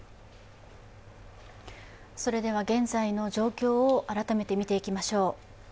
現在の状況を改めて見ていきましょう。